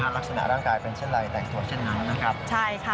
ลักษณะร่างกายเป็นเช่นไรแต่งตัวเช่นนั้นนะครับ